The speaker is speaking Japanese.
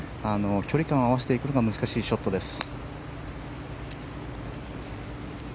距離感を合わせていくのが難しいショットです。